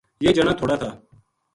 یہ جنا تھوڑا تھا